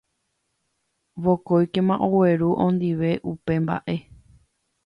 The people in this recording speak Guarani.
vokóikema ogueru ondive upe mba'e.